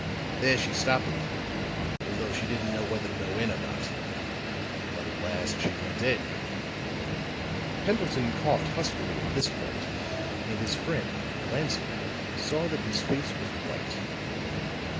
There she stopped a little, as though she didn't know whether to go in or not. But at last she went in." Pendleton coughed huskily at this point; and his friend glancing at him saw that his face was white.